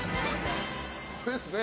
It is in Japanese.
これですね。